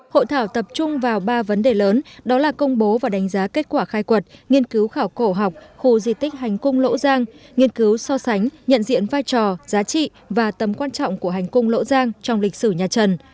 hội thảo tập trung vào ba vấn đề lớn đó là công bố và đánh giá kết quả khai quật nghiên cứu khảo cổ học khu di tích hành cung lỗ giang nghiên cứu so sánh nhận diện vai trò giá trị và tầm quan trọng của hành cung lỗ giang trong lịch sử nhà trần